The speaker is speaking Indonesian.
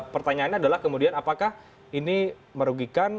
pertanyaannya adalah kemudian apakah ini merugikan